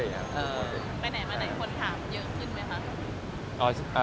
ไปไหนมาไหนคนถามเยอะขึ้นไหมคะ